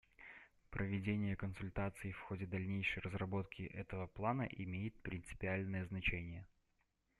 Проведение консультаций в ходе дальнейшей разработки этого плана имеет принципиальное значение.